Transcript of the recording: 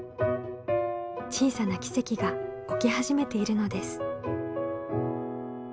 小さな奇跡が起き始めているのです。